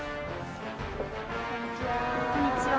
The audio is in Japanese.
こんにちは。